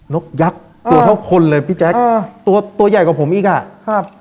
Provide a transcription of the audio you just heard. นกยักษ์ตัวเท่าคนเลยพี่แจ๊คตัวใหญ่กว่าผมอีกอะ